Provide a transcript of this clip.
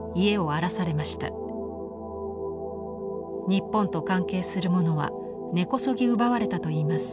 日本と関係するものは根こそぎ奪われたといいます。